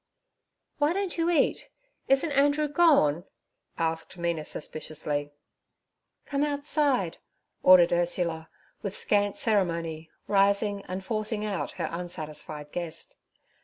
'Why don't you eat? Isn't Andrew gone?' asked Mina suspiciously. 'Come outside' ordered Ursula, with scant ceremony rising and forcing out her unsatisfied guest.